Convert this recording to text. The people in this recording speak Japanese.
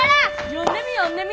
読んでみ読んでみ！